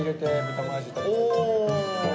お。